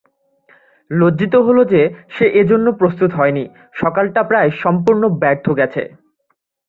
লজ্জিত হল যে সে এজন্যে প্রস্তুত হয় নি– সকালটা প্রায় সম্পূর্ণ ব্যর্থ গেছে।